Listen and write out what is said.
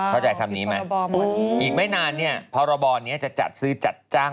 เข้าใจคำนี้ไหมอีกไม่นานเนี่ยพรบนี้จะจัดซื้อจัดจ้าง